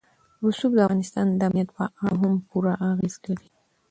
رسوب د افغانستان د امنیت په اړه هم پوره اغېز لري.